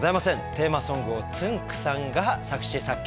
テーマソングをつんく♂さんが作詞作曲。